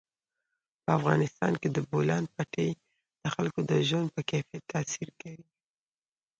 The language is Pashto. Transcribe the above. په افغانستان کې د بولان پټي د خلکو د ژوند په کیفیت تاثیر کوي.